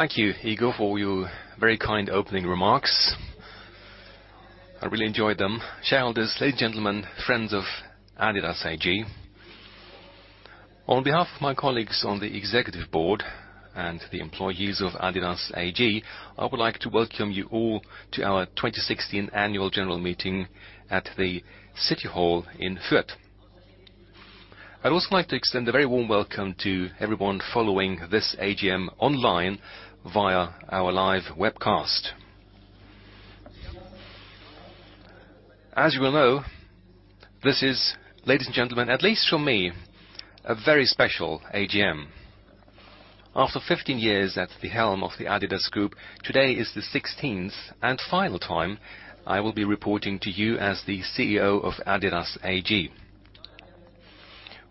Thank you, Igor, for your very kind opening remarks. I really enjoyed them. Shareholders, ladies and gentlemen, friends of adidas AG. On behalf of my colleagues on the executive board and the employees of adidas AG, I would like to welcome you all to our 2016 annual general meeting at the City Hall in Fürth. I'd also like to extend a very warm welcome to everyone following this AGM online via our live webcast. As you will know, this is, ladies and gentlemen, at least for me, a very special AGM. After 15 years at the helm of the adidas Group, today is the 16th and final time I will be reporting to you as the CEO of adidas AG.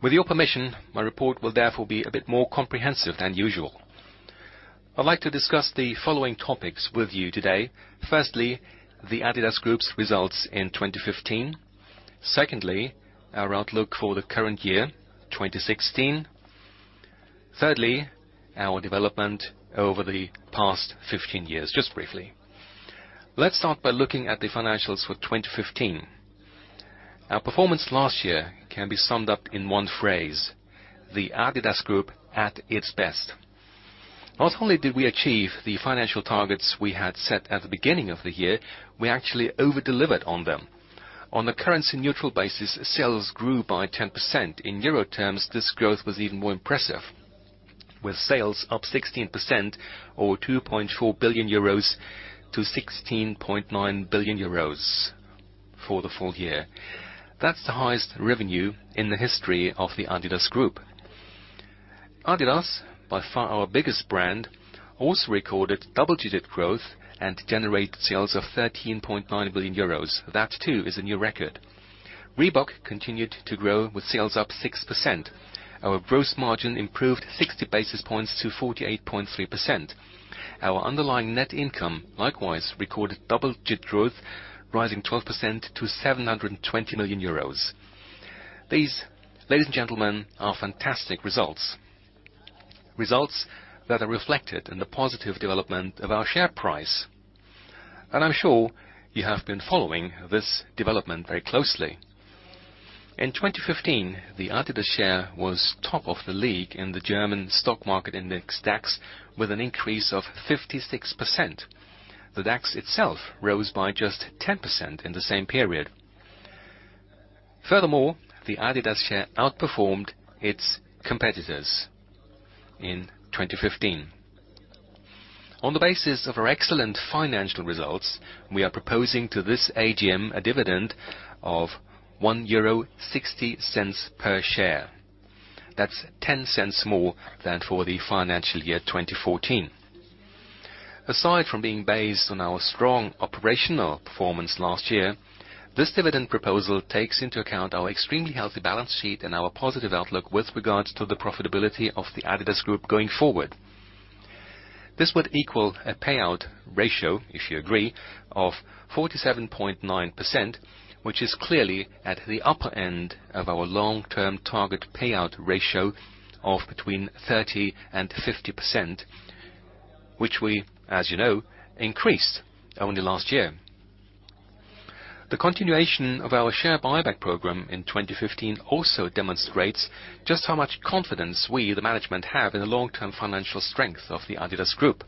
With your permission, my report will therefore be a bit more comprehensive than usual. I'd like to discuss the following topics with you today. Firstly, the adidas Group's results in 2015. Secondly, our outlook for the current year, 2016. Thirdly, our development over the past 15 years, just briefly. Let's start by looking at the financials for 2015. Our performance last year can be summed up in one phrase, the adidas Group at its best. Not only did we achieve the financial targets we had set at the beginning of the year, we actually over-delivered on them. On a currency-neutral basis, sales grew by 10%. In Euro terms, this growth was even more impressive, with sales up 16% or 2.4 billion euros to 16.9 billion euros for the full year. That's the highest revenue in the history of the adidas Group. Adidas, by far our biggest brand, also recorded double-digit growth and generated sales of 13.9 billion euros. That too is a new record. Reebok continued to grow with sales up 6%. Our gross margin improved 60 basis points to 48.3%. Our underlying net income likewise recorded double-digit growth, rising 12% to 720 million euros. These, ladies and gentlemen, are fantastic results. Results that are reflected in the positive development of our share price. I'm sure you have been following this development very closely. In 2015, the adidas share was top of the league in the German stock market index DAX with an increase of 56%. The DAX itself rose by just 10% in the same period. Furthermore, the adidas share outperformed its competitors in 2015. On the basis of our excellent financial results, we are proposing to this AGM a dividend of 1.60 euro per share. That's 0.10 more than for the financial year 2014. Aside from being based on our strong operational performance last year, this dividend proposal takes into account our extremely healthy balance sheet and our positive outlook with regards to the profitability of the adidas Group going forward. This would equal a payout ratio, if you agree, of 47.9%, which is clearly at the upper end of our long-term target payout ratio of between 30% and 50%, which we, as you know, increased only last year. The continuation of our share buyback program in 2015 also demonstrates just how much confidence we, the management, have in the long-term financial strength of the adidas Group.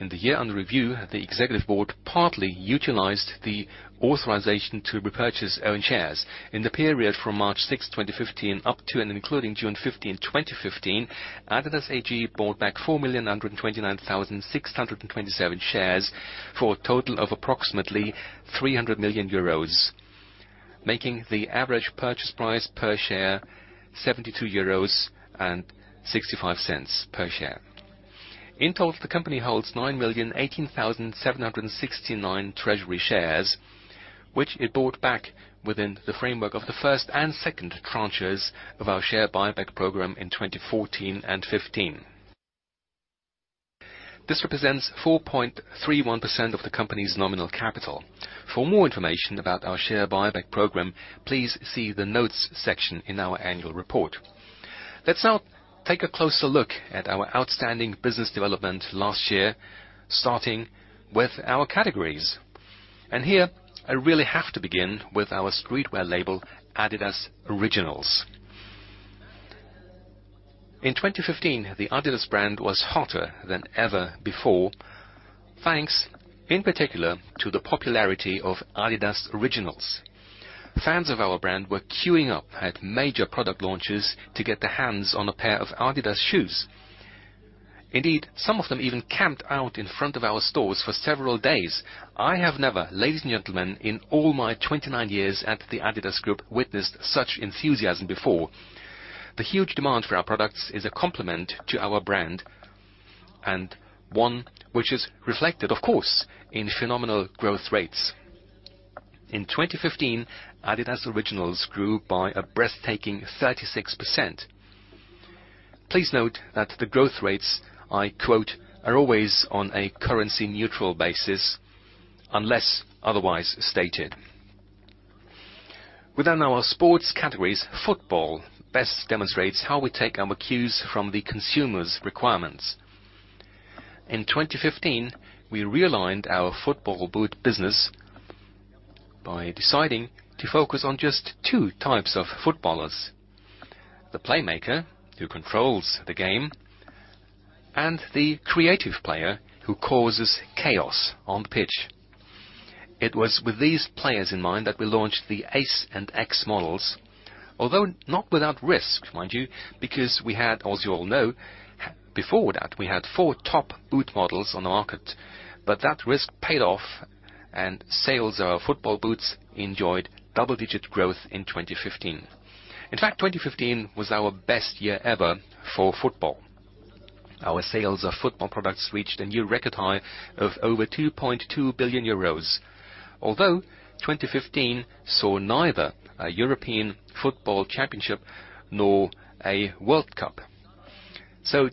In the year under review, the executive board partly utilized the authorization to repurchase own shares. In the period from March 6, 2015, up to and including June 15, 2015, adidas AG bought back 4,129,627 shares for a total of approximately 300 million euros, making the average purchase price per share 72.65 euros per share. In total, the company holds 9,018,769 treasury shares, which it bought back within the framework of the first and second tranches of our share buyback program in 2014 and 2015. This represents 4.31% of the company's nominal capital. For more information about our share buyback program, please see the notes section in our annual report. Let's now take a closer look at our outstanding business development last year, starting with our categories. Here, I really have to begin with our streetwear label, adidas Originals. In 2015, the adidas brand was hotter than ever before, thanks in particular to the popularity of adidas Originals. Fans of our brand were queuing up at major product launches to get their hands on a pair of adidas shoes. Indeed, some of them even camped out in front of our stores for several days. I have never, ladies and gentlemen, in all my 29 years at the adidas Group, witnessed such enthusiasm before. The huge demand for our products is a compliment to our brand, and one which is reflected, of course, in phenomenal growth rates. In 2015, adidas Originals grew by a breathtaking 36%. Please note that the growth rates I quote are always on a currency-neutral basis unless otherwise stated. Within our sports categories, football best demonstrates how we take our cues from the consumer's requirements. In 2015, we realigned our football boot business by deciding to focus on just 2 types of footballers, the playmaker who controls the game, and the creative player who causes chaos on pitch. It was with these players in mind that we launched the Ace and X models, although not without risk, mind you, because as you all know, before that, we had 4 top boot models on the market, that risk paid off and sales of our football boots enjoyed double-digit growth in 2015. In fact, 2015 was our best year ever for football. Our sales of football products reached a new record high of over 2.2 billion euros. Although 2015 saw neither a European Football Championship nor a World Cup.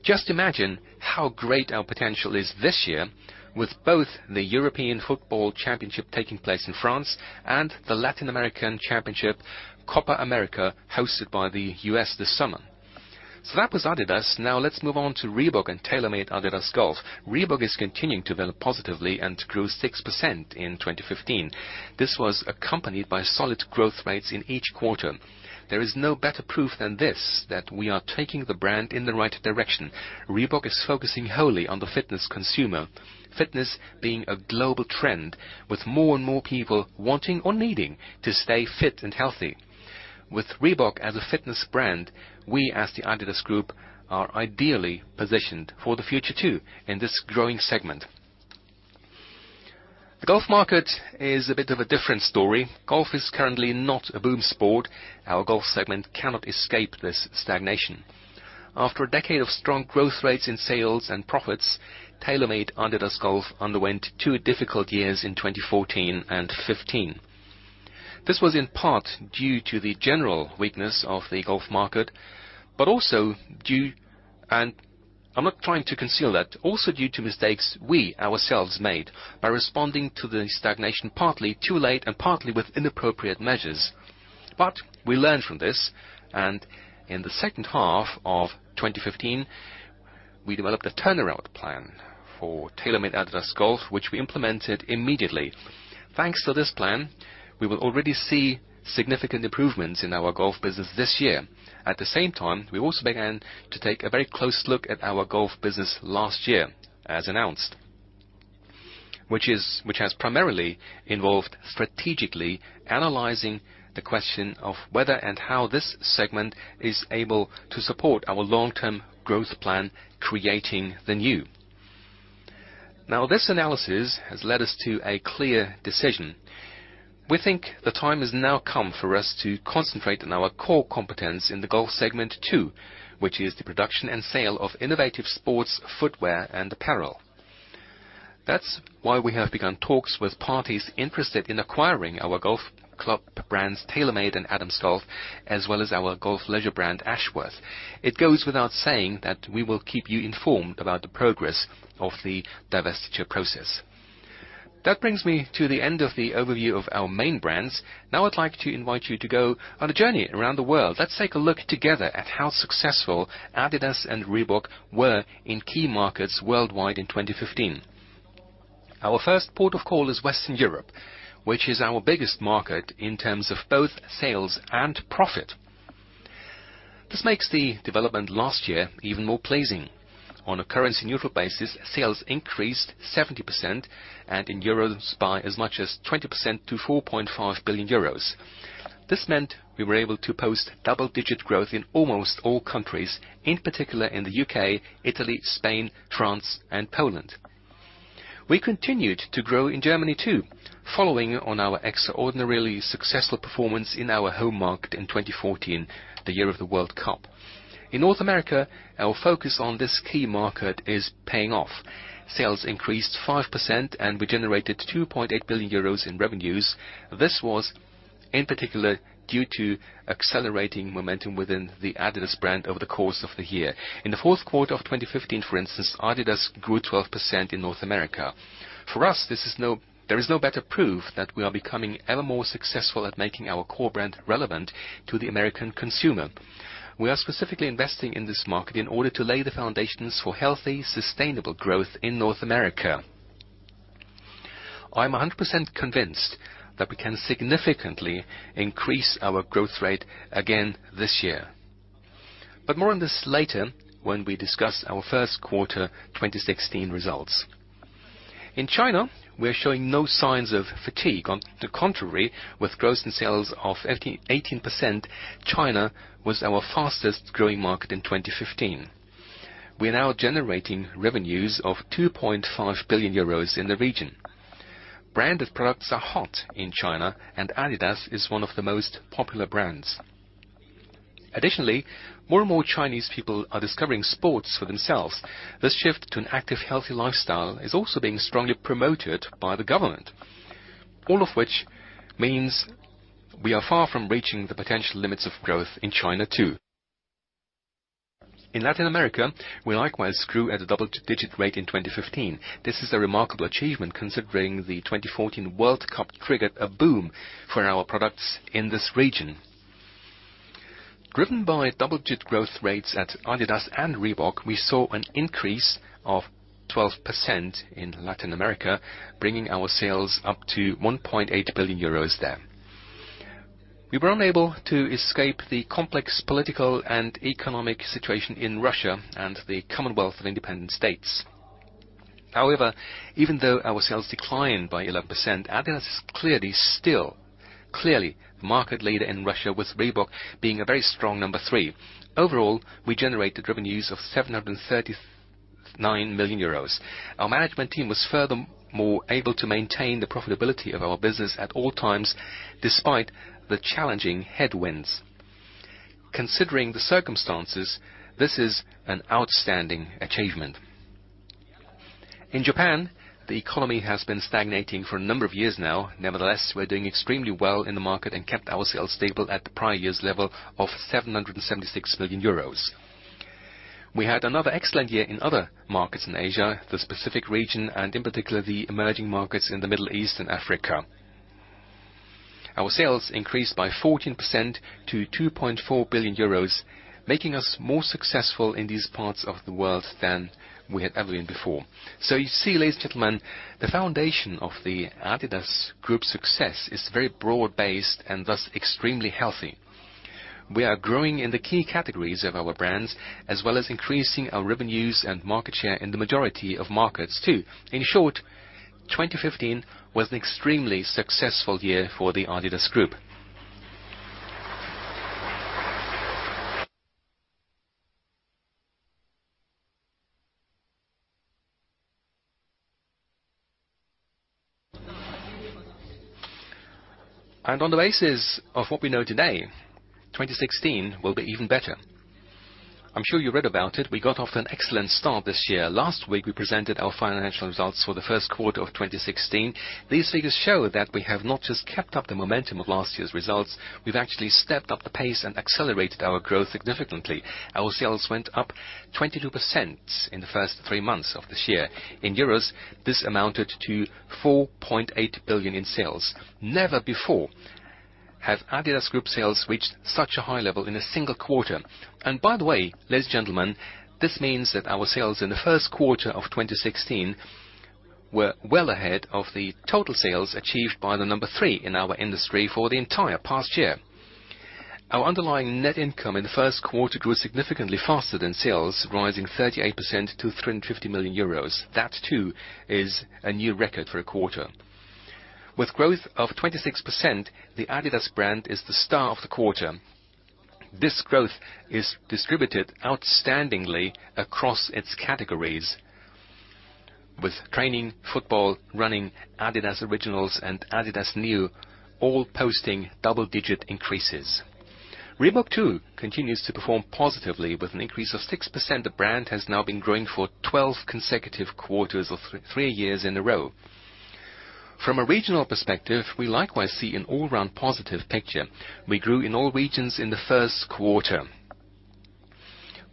Just imagine how great our potential is this year with both the European Football Championship taking place in France and the Latin American Championship Copa América hosted by the U.S. this summer. That was adidas. Let's move on to Reebok and TaylorMade-adidas Golf. Reebok is continuing to develop positively and grew 6% in 2015. This was accompanied by solid growth rates in each quarter. There is no better proof than this that we are taking the brand in the right direction. Reebok is focusing wholly on the fitness consumer, fitness being a global trend with more and more people wanting or needing to stay fit and healthy. With Reebok as a fitness brand, we as the adidas Group, are ideally positioned for the future too, in this growing segment. The golf market is a bit of a different story. Golf is currently not a boom sport. Our golf segment cannot escape this stagnation. After a decade of strong growth rates in sales and profits, TaylorMade-adidas Golf underwent two difficult years in 2014 and 2015. This was in part due to the general weakness of the golf market, but also due, and I'm not trying to conceal that, to mistakes we ourselves made by responding to the stagnation partly too late and partly with inappropriate measures. We learned from this, and in the second half of 2015, we developed a turnaround plan for TaylorMade-adidas Golf, which we implemented immediately. Thanks to this plan, we will already see significant improvements in our golf business this year. At the same time, we also began to take a very close look at our golf business last year, as announced, which has primarily involved strategically analyzing the question of whether and how this segment is able to support our long-term growth plan, Creating the New. This analysis has led us to a clear decision. We think the time has now come for us to concentrate on our core competence in the golf segment, too, which is the production and sale of innovative sports footwear and apparel. That's why we have begun talks with parties interested in acquiring our golf club brands, TaylorMade and Adams Golf, as well as our golf leisure brand, Ashworth. It goes without saying that we will keep you informed about the progress of the divestiture process. That brings me to the end of the overview of our main brands. I'd like to invite you to go on a journey around the world. Let's take a look together at how successful adidas and Reebok were in key markets worldwide in 2015. Our first port of call is Western Europe, which is our biggest market in terms of both sales and profit. This makes the development last year even more pleasing. On a currency neutral basis, sales increased 70% and in EUR by as much as 20% to 4.5 billion euros. This meant we were able to post double-digit growth in almost all countries, in particular in the U.K., Italy, Spain, France and Poland. We continued to grow in Germany, too, following on our extraordinarily successful performance in our home market in 2014, the year of the World Cup. In North America, our focus on this key market is paying off. Sales increased 5% and we generated 2.8 billion euros in revenues. This was in particular due to accelerating momentum within the adidas brand over the course of the year. In the fourth quarter of 2015, for instance, adidas grew 12% in North America. For us, there is no better proof that we are becoming ever more successful at making our core brand relevant to the American consumer. We are specifically investing in this market in order to lay the foundations for healthy, sustainable growth in North America. I'm 100% convinced that we can significantly increase our growth rate again this year. More on this later when we discuss our first quarter 2016 results. In China, we're showing no signs of fatigue. On the contrary, with growth in sales of 18%, China was our fastest-growing market in 2015. We are now generating revenues of 2.5 billion euros in the region. Branded products are hot in China, and adidas is one of the most popular brands. Additionally, more and more Chinese people are discovering sports for themselves. This shift to an active, healthy lifestyle is also being strongly promoted by the government. All of which means we are far from reaching the potential limits of growth in China, too. In Latin America, we likewise grew at a double-digit rate in 2015. This is a remarkable achievement considering the 2014 World Cup triggered a boom for our products in this region. Driven by double-digit growth rates at adidas and Reebok, we saw an increase of 12% in Latin America, bringing our sales up to 1.8 billion euros there. We were unable to escape the complex political and economic situation in Russia and the Commonwealth of Independent States. However, even though our sales declined by 11%, adidas is clearly still the market leader in Russia, with Reebok being a very strong number three. Overall, we generated revenues of 739 million euros. Our management team was furthermore able to maintain the profitability of our business at all times, despite the challenging headwinds. Considering the circumstances, this is an outstanding achievement. In Japan, the economy has been stagnating for a number of years now. Nevertheless, we're doing extremely well in the market and kept our sales stable at the prior year's level of 776 million euros. We had another excellent year in other markets in Asia, the Pacific region, and in particular, the emerging markets in the Middle East and Africa. Our sales increased by 14% to 2.4 billion euros, making us more successful in these parts of the world than we had ever been before. You see, ladies and gentlemen, the foundation of the adidas Group's success is very broad-based and thus extremely healthy. We are growing in the key categories of our brands, as well as increasing our revenues and market share in the majority of markets too. In short, 2015 was an extremely successful year for the adidas Group. On the basis of what we know today, 2016 will be even better. I'm sure you read about it. We got off to an excellent start this year. Last week, we presented our financial results for the first quarter of 2016. These figures show that we have not just kept up the momentum of last year's results, we've actually stepped up the pace and accelerated our growth significantly. Our sales went up 22% in the first three months of this year. In euros, this amounted to 4.8 billion in sales. Never before has adidas Group sales reached such a high level in a single quarter. By the way, ladies and gentlemen, this means that our sales in the first quarter of 2016 were well ahead of the total sales achieved by the number three in our industry for the entire past year. Our underlying net income in the first quarter grew significantly faster than sales, rising 38% to 350 million euros. That too is a new record for a quarter. With growth of 26%, the adidas brand is the star of the quarter. This growth is distributed outstandingly across its categories with training, football, running, adidas Originals, and adidas NEO all posting double-digit increases. Reebok too continues to perform positively. With an increase of 6%, the brand has now been growing for 12 consecutive quarters or three years in a row. From an all-around positive picture, we likewise see an all-around positive picture. We grew in all regions in the first quarter.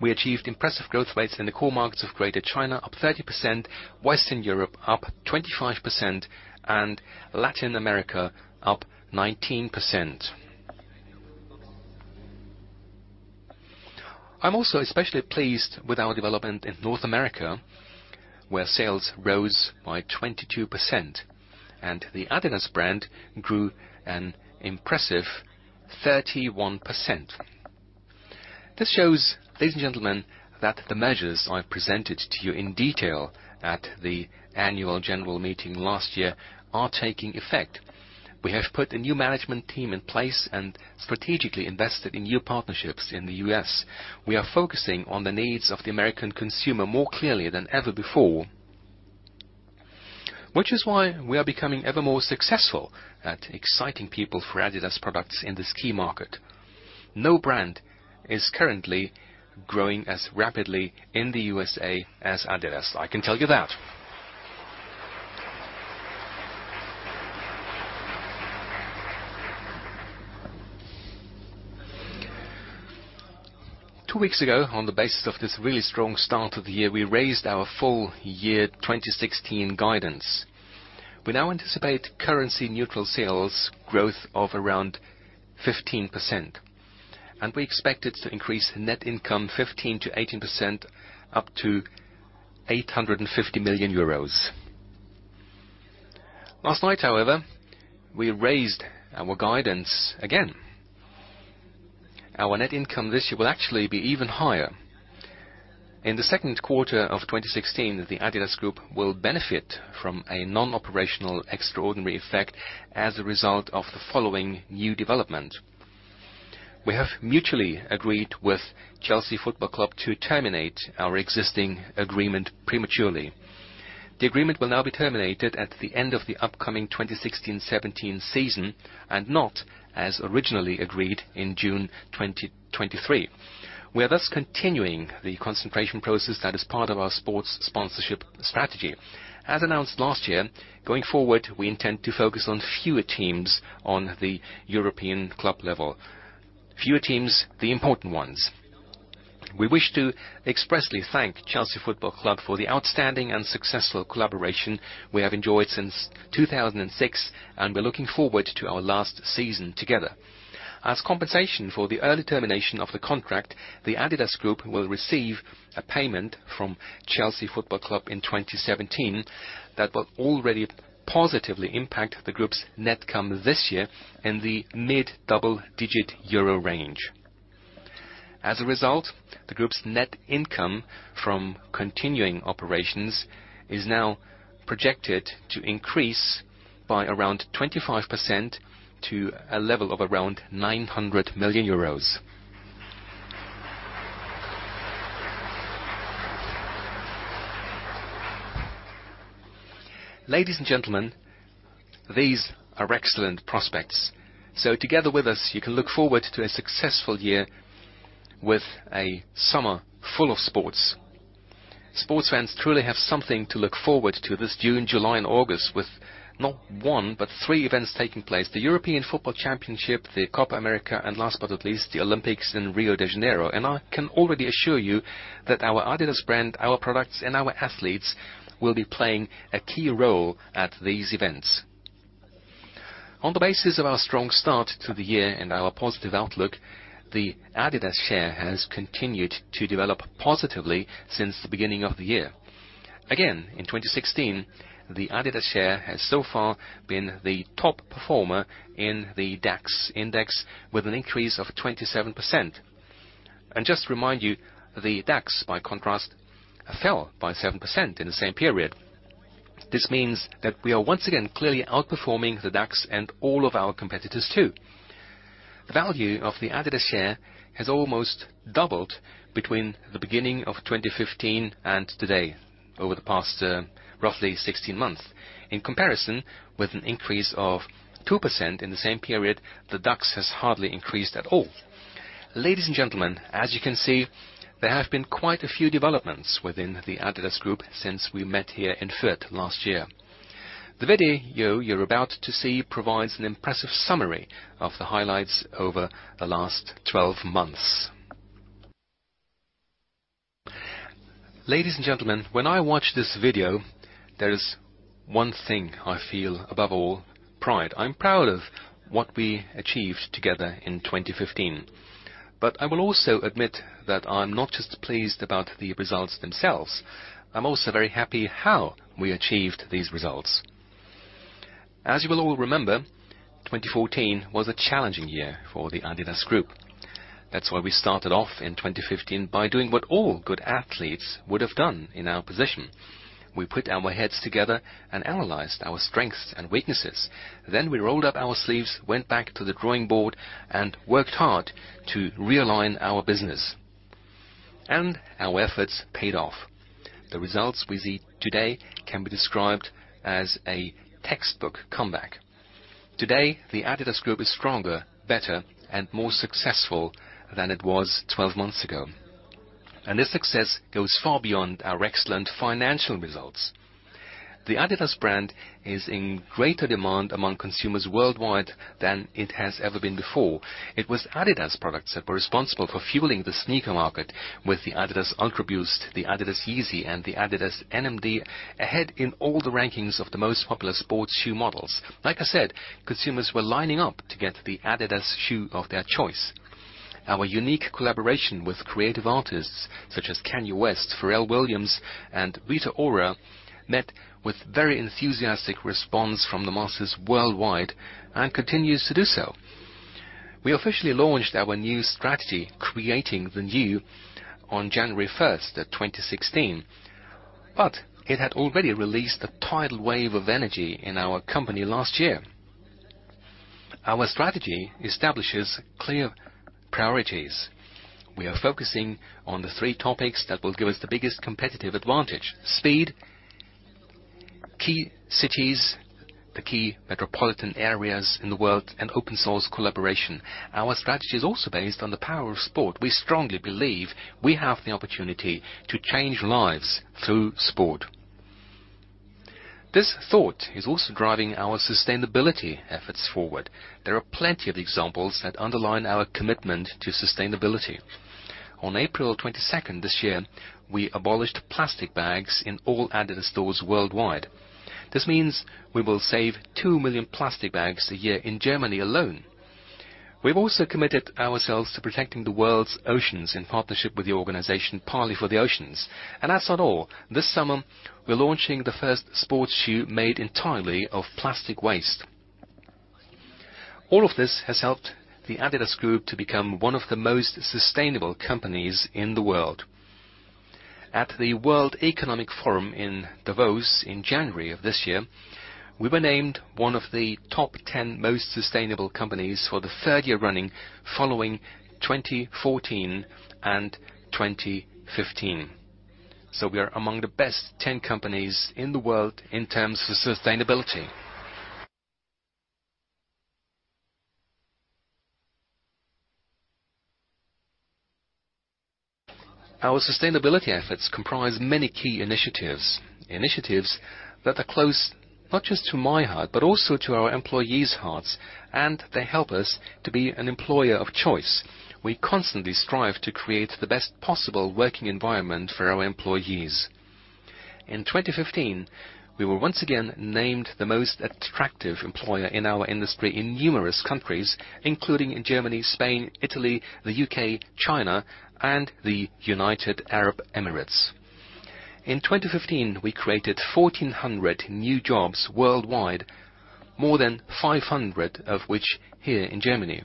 We achieved impressive growth rates in the core markets of Greater China, up 30%, Western Europe, up 25%, and Latin America, up 19%. I am also especially pleased with our development in North America, where sales rose by 22% and the adidas brand grew an impressive 31%. This shows, ladies and gentlemen, that the measures I presented to you in detail at the annual general meeting last year are taking effect. We have put a new management team in place and strategically invested in new partnerships in the U.S. We are focusing on the needs of the American consumer more clearly than ever before, which is why we are becoming ever more successful at exciting people for adidas products in this key market. No brand is currently growing as rapidly in the USA as adidas. I can tell you that. Two weeks ago, on the basis of this really strong start of the year, we raised our full year 2016 guidance. We now anticipate currency-neutral sales growth of around 15%, and we expected to increase net income 15%-18%, up to 850 million euros. Last night, we raised our guidance again. Our net income this year will actually be even higher. In the second quarter of 2016, the adidas Group will benefit from a non-operational extraordinary effect as a result of the following new development. We have mutually agreed with Chelsea Football Club to terminate our existing agreement prematurely. The agreement will now be terminated at the end of the upcoming 2016/17 season and not as originally agreed in June 2023. We are thus continuing the concentration process that is part of our sports sponsorship strategy. As announced last year, going forward, we intend to focus on fewer teams on the European club level. Fewer teams, the important ones. We wish to expressly thank Chelsea Football Club for the outstanding and successful collaboration we have enjoyed since 2006, and we are looking forward to our last season together. As compensation for the early termination of the contract, the adidas Group will receive a payment from Chelsea Football Club in 2017 that will already positively impact the group's net income this year in the mid-double digit EUR range. As a result, the group's net income from continuing operations is now projected to increase by around 25% to a level of around 900 million euros. Ladies and gentlemen, these are excellent prospects. Together with us, you can look forward to a successful year with a summer full of sports. Sports fans truly have something to look forward to this June, July, and August with not one, but three events taking place. The European Football Championship, the Copa América, and last but not least, the Olympics in Rio de Janeiro. I can already assure you that our adidas brand, our products, and our athletes will be playing a key role at these events. On the basis of our strong start to the year and our positive outlook, the adidas share has continued to develop positively since the beginning of the year. Again, in 2016, the adidas share has so far been the top performer in the DAX index, with an increase of 27%. Just to remind you, the DAX, by contrast, fell by 7% in the same period. This means that we are once again clearly outperforming the DAX and all of our competitors, too. The value of the adidas share has almost doubled between the beginning of 2015 and today, over the past roughly 16 months. In comparison, with an increase of 2% in the same period, the DAX has hardly increased at all. Ladies and gentlemen, as you can see, there have been quite a few developments within the adidas Group since we met here in Fürth last year. The video you're about to see provides an impressive summary of the highlights over the last 12 months. Ladies and gentlemen, when I watch this video, there is one thing I feel above all, pride. I'm proud of what we achieved together in 2015. I will also admit that I'm not just pleased about the results themselves. I'm also very happy how we achieved these results. As you will all remember, 2014 was a challenging year for the adidas Group. That's why we started off in 2015 by doing what all good athletes would have done in our position. We put our heads together and analyzed our strengths and weaknesses. We rolled up our sleeves, went back to the drawing board, and worked hard to realign our business. Our efforts paid off. The results we see today can be described as a textbook comeback. Today, the adidas Group is stronger, better, and more successful than it was 12 months ago. This success goes far beyond our excellent financial results. The adidas brand is in greater demand among consumers worldwide than it has ever been before. It was adidas products that were responsible for fueling the sneaker market with the adidas UltraBoost, the adidas Yeezy, and the adidas NMD ahead in all the rankings of the most popular sports shoe models. Like I said, consumers were lining up to get the adidas shoe of their choice. Our unique collaboration with creative artists such as Kanye West, Pharrell Williams, and Rita Ora, met with very enthusiastic response from the masses worldwide and continues to do so. We officially launched our new strategy, Creating the New, on January 1st, 2016. It had already released a tidal wave of energy in our company last year. Our strategy establishes clear priorities. We are focusing on the three topics that will give us the biggest competitive advantage: speed, key cities, the key metropolitan areas in the world, and open-source collaboration. Our strategy is also based on the power of sport. We strongly believe we have the opportunity to change lives through sport. This thought is also driving our sustainability efforts forward. There are plenty of examples that underline our commitment to sustainability. On April 22nd this year, we abolished plastic bags in all adidas stores worldwide. This means we will save 2 million plastic bags a year in Germany alone. We've also committed ourselves to protecting the world's oceans in partnership with the organization Parley for the Oceans. That's not all. This summer, we're launching the first sports shoe made entirely of plastic waste. All of this has helped the adidas Group to become one of the most sustainable companies in the world. At the World Economic Forum in Davos in January of this year, we were named one of the top 10 most sustainable companies for the third year running, following 2014 and 2015. We are among the best 10 companies in the world in terms of sustainability. Our sustainability efforts comprise many key initiatives that are not just to my heart, but also to our employees' hearts, and they help us to be an employer of choice. We constantly strive to create the best possible working environment for our employees. In 2015, we were once again named the most attractive employer in our industry in numerous countries, including in Germany, Spain, Italy, the U.K., China, and the United Arab Emirates. In 2015, we created 1,400 new jobs worldwide, more than 500 of which here in Germany.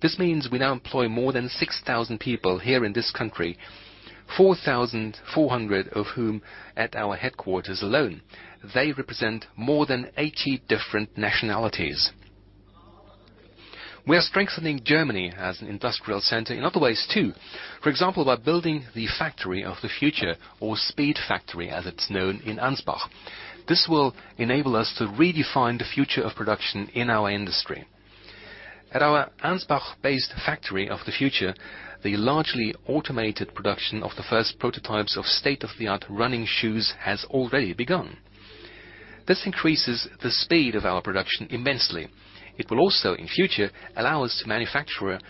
This means we now employ more than 6,000 people here in this country, 4,400 of whom at our headquarters alone. They represent more than 80 different nationalities. We are strengthening Germany as an industrial center in other ways, too. For example, by building the factory of the future, or Speedfactory, as it's known, in Ansbach. This will enable us to redefine the future of production in our industry. At our Ansbach-based factory of the future, the largely automated production of the first prototypes of state-of-the-art running shoes has already begun. This increases the speed of our production immensely. It will also, in future, allow us to manufacture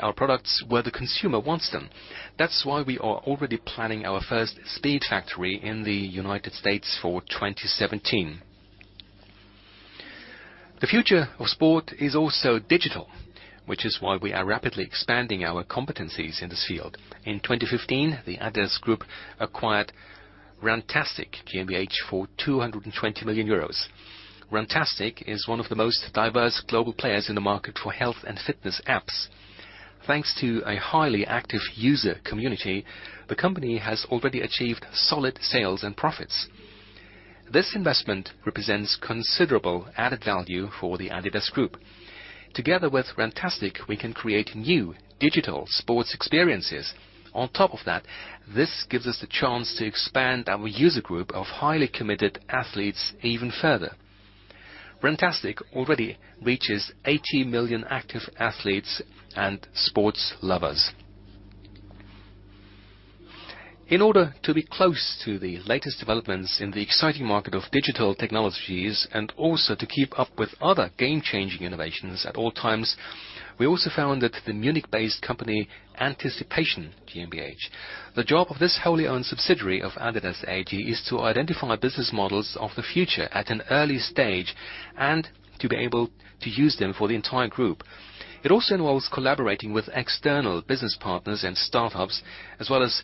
our products where the consumer wants them. That's why we are already planning our first Speedfactory in the United States for 2017. The future of sport is also digital, which is why we are rapidly expanding our competencies in this field. In 2015, the adidas Group acquired Runtastic GmbH for 220 million euros. Runtastic is one of the most diverse global players in the market for health and fitness apps. Thanks to a highly active user community, the company has already achieved solid sales and profits. This investment represents considerable added value for the adidas Group. Together with Runtastic, we can create new digital sports experiences. On top of that, this gives us the chance to expand our user group of highly committed athletes even further. Runtastic already reaches 80 million active athletes and sports lovers. In order to be close to the latest developments in the exciting market of digital technologies and also to keep up with other game-changing innovations at all times, we also founded the Munich-based company, Anticipation GmbH. The job of this wholly-owned subsidiary of adidas AG is to identify business models of the future at an early stage and to be able to use them for the entire group. It also involves collaborating with external business partners and startups, as well as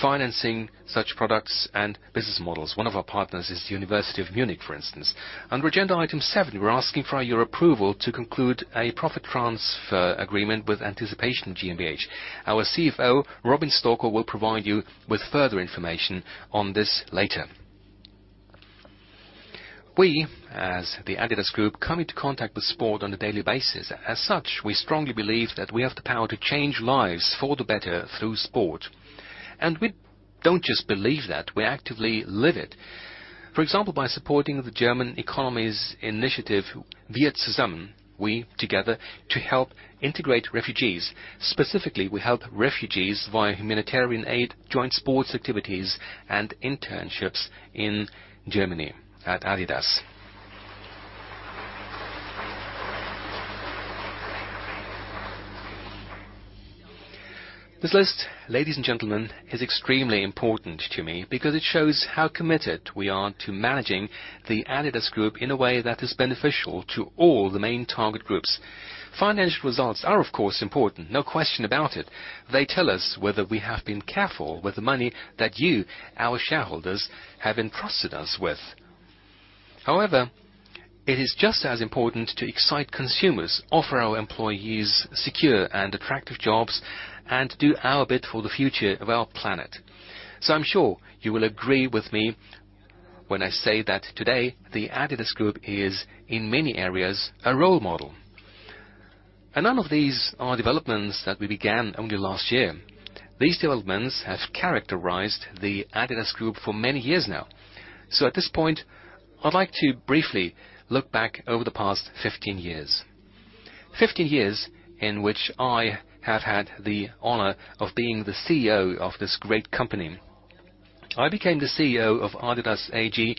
financing such products and business models. One of our partners is the University of Munich, for instance. Under agenda item seven, we're asking for your approval to conclude a profit transfer agreement with Anticipation GmbH. Our CFO, Robin Stalker, will provide you with further information on this later. We, as the adidas Group, come into contact with sport on a daily basis. As such, we strongly believe that we have the power to change lives for the better through sport. We don't just believe that, we actively live it. For example, by supporting the German economy's initiative, "Wir zusammen," "We together," to help integrate refugees. Specifically, we help refugees via humanitarian aid, joint sports activities, and internships in Germany at adidas. This list, ladies and gentlemen, is extremely important to me because it shows how committed we are to managing the adidas Group in a way that is beneficial to all the main target groups. Financial results are, of course, important. No question about it. They tell us whether we have been careful with the money that you, our shareholders, have entrusted us with. However, it is just as important to excite consumers, offer our employees secure and attractive jobs, and do our bit for the future of our planet. I'm sure you will agree with me when I say that today, the adidas Group is, in many areas, a role model. None of these are developments that we began only last year. These developments have characterized the adidas Group for many years now. At this point, I'd like to briefly look back over the past 15 years. 15 years in which I have had the honor of being the CEO of this great company. I became the CEO of adidas AG,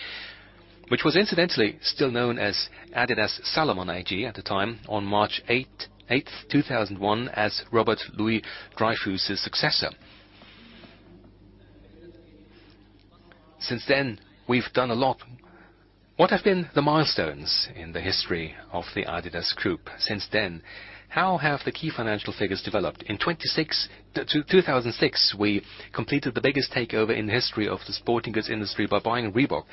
which was incidentally still known as adidas-Salomon AG at the time, on March 8, 2001, as Robert Louis-Dreyfus' successor. Since then, we've done a lot. What have been the milestones in the history of the adidas Group since then? How have the key financial figures developed? In 2006, we completed the biggest takeover in the history of the sporting goods industry by buying Reebok.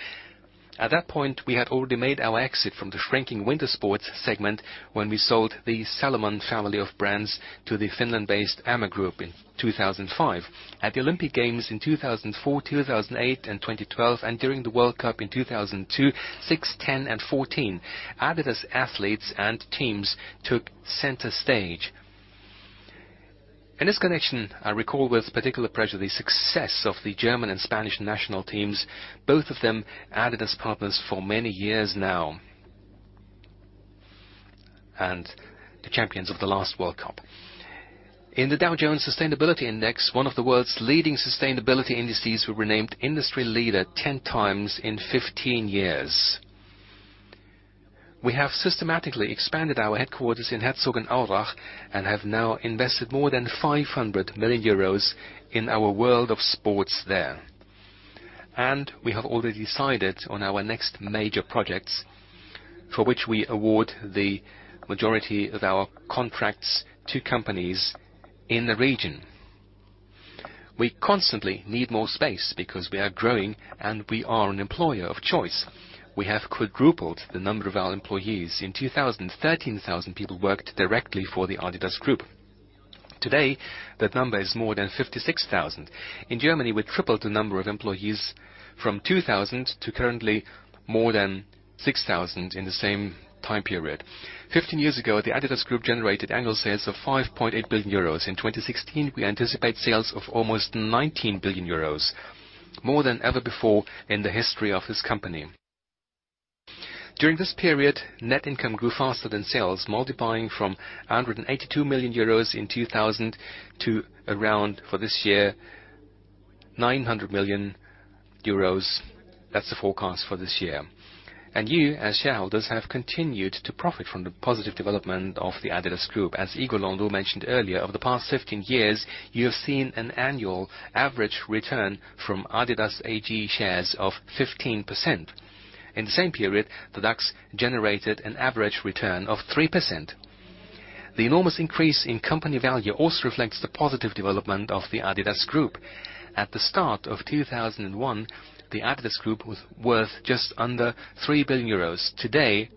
At that point, we had already made our exit from the shrinking winter sports segment when we sold the Salomon family of brands to the Finland-based Amer Group in 2005. At the Olympic Games in 2004, 2008, and 2012, and during the World Cup in 2002, 2006, 2010, and 2014, adidas athletes and teams took center stage. In this connection, I recall with particular pleasure the success of the German and Spanish national teams, both of them adidas partners for many years now. The champions of the last World Cup. In the Dow Jones Sustainability Index, one of the world's leading sustainability indices, we were named industry leader 10 times in 15 years. We have systematically expanded our headquarters in Herzogenaurach and have now invested more than 500 million euros in our world of sports there. We have already decided on our next major projects, for which we award the majority of our contracts to companies in the region. We constantly need more space because we are growing, and we are an employer of choice. We have quadrupled the number of our employees. In 2000, 13,000 people worked directly for the adidas Group. Today, that number is more than 56,000. In Germany, we tripled the number of employees from 2,000 to currently more than 6,000 in the same time period. 15 years ago, the adidas Group generated annual sales of 5.8 billion euros. In 2016, we anticipate sales of almost 19 billion euros, more than ever before in the history of this company. During this period, net income grew faster than sales, multiplying from 182 million euros in 2000 to around, for this year, 900 million euros. That's the forecast for this year. You, as shareholders, have continued to profit from the positive development of the adidas Group. As Igor Landau mentioned earlier, over the past 15 years, you have seen an annual average return from adidas AG shares of 15%. In the same period, the DAX generated an average return of 3%. The enormous increase in company value also reflects the positive development of the adidas Group. At the start of 2001, the adidas Group was worth just under 3 billion euros. Today,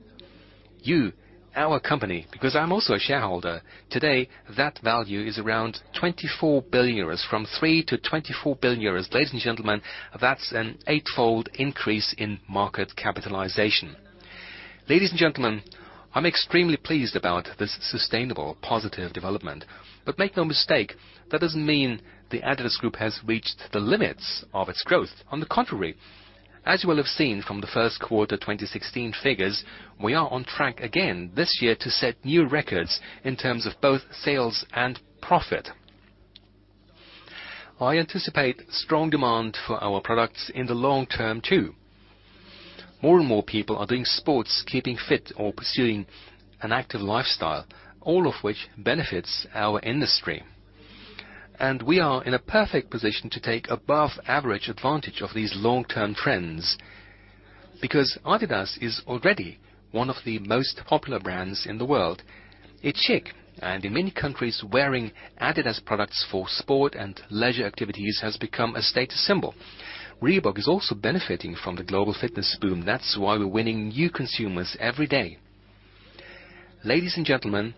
you, our company, because I'm also a shareholder, today, that value is around 24 billion euros. From 3 to 24 billion euros. Ladies and gentlemen, that's an eightfold increase in market capitalization. Ladies and gentlemen, I'm extremely pleased about this sustainable, positive development. Make no mistake, that doesn't mean the adidas Group has reached the limits of its growth. On the contrary, as you will have seen from the first quarter 2016 figures, we are on track again this year to set new records in terms of both sales and profit. I anticipate strong demand for our products in the long term, too. More and more people are doing sports, keeping fit, or pursuing an active lifestyle, all of which benefits our industry. We are in a perfect position to take above-average advantage of these long-term trends because adidas is already one of the most popular brands in the world. It's chic, and in many countries, wearing adidas products for sport and leisure activities has become a status symbol. Reebok is also benefiting from the global fitness boom. That's why we're winning new consumers every day. Ladies and gentlemen,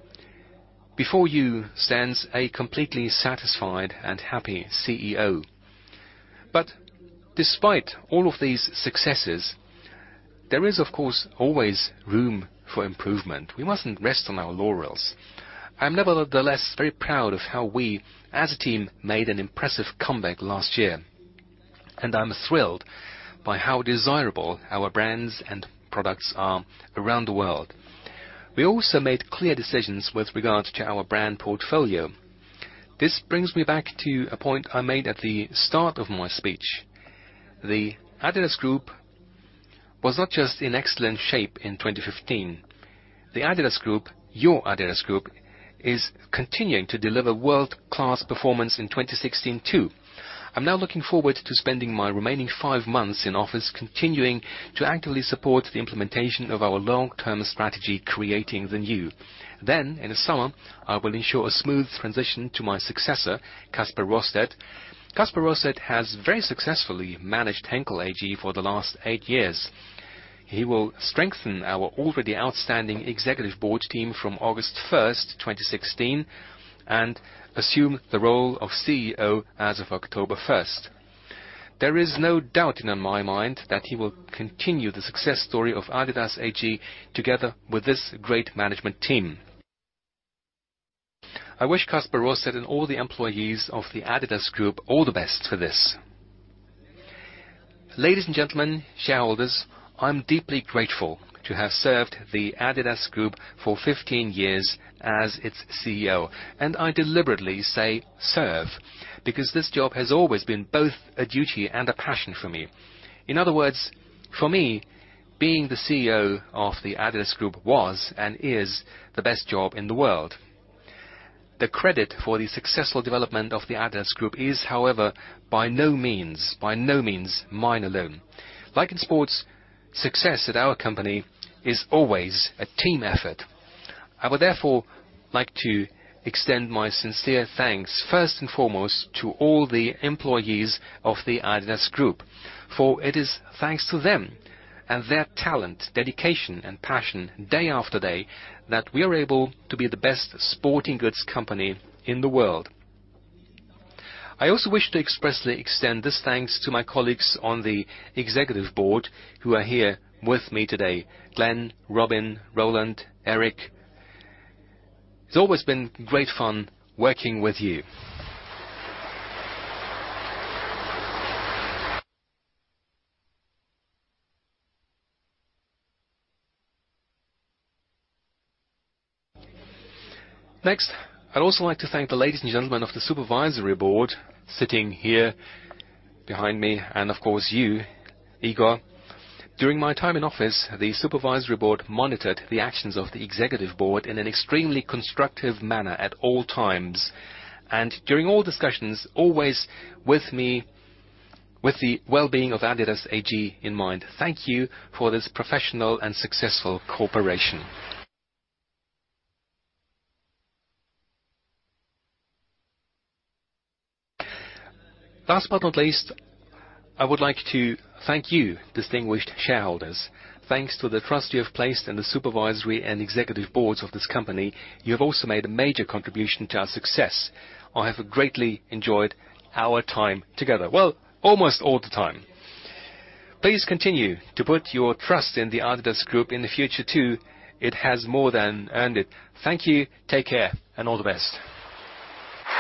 before you stands a completely satisfied and happy CEO. Despite all of these successes, there is, of course, always room for improvement. We mustn't rest on our laurels. I am nevertheless very proud of how we, as a team, made an impressive comeback last year, and I'm thrilled by how desirable our brands and products are around the world. We also made clear decisions with regard to our brand portfolio. This brings me back to a point I made at the start of my speech. The adidas Group was not just in excellent shape in 2015. The adidas Group, your adidas Group, is continuing to deliver world-class performance in 2016, too. I'm now looking forward to spending my remaining five months in office continuing to actively support the implementation of our long-term strategy, Creating the New. In the summer, I will ensure a smooth transition to my successor, Kasper Rørsted. Kasper Rørsted has very successfully managed Henkel AG for the last eight years. He will strengthen our already outstanding executive board team from August 1st, 2016, and assume the role of CEO as of October 1st. There is no doubt in my mind that he will continue the success story of adidas AG together with this great management team. I wish Kasper Rørsted and all the employees of the adidas Group all the best for this. Ladies and gentlemen, shareholders, I'm deeply grateful to have served the adidas Group for 15 years as its CEO, and I deliberately say "serve" because this job has always been both a duty and a passion for me. In other words, for me, being the CEO of the adidas Group was and is the best job in the world. The credit for the successful development of the adidas Group is, however, by no means, by no means, mine alone. Like in sports, success at our company is always a team effort. I would therefore like to extend my sincere thanks, first and foremost, to all the employees of the adidas Group, for it is thanks to them and their talent, dedication, and passion day after day that we are able to be the best sporting goods company in the world. I also wish to expressly extend this thanks to my colleagues on the executive board who are here with me today. Glenn, Robin, Roland, Eric, it's always been great fun working with you. Next, I'd also like to thank the ladies and gentlemen of the supervisory board sitting here behind me and, of course, you, Igor. During my time in office, the supervisory board monitored the actions of the executive board in an extremely constructive manner at all times and during all discussions, always with me, with the well-being of adidas AG in mind. Thank you for this professional and successful cooperation. Last but not least, I would like to thank you, distinguished shareholders. Thanks to the trust you have placed in the supervisory and executive boards of this company, you have also made a major contribution to our success. I have greatly enjoyed our time together. Well, almost all the time. Please continue to put your trust in the adidas Group in the future, too. It has more than earned it. Thank you. Take care, and all the best.